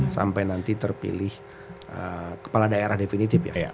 sampai nanti terpilih kepala daerah definitif ya